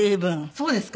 そうですか？